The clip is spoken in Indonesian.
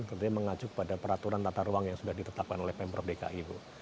tentunya mengacu kepada peraturan tata ruang yang sudah ditetapkan oleh pemprov dki bu